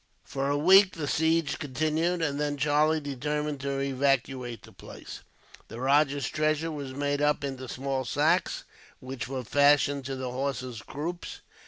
For a week the siege continued, and then Charlie determined to evacuate the place. The rajah's treasure was made up into small sacks, which were fastened to the horses' croups.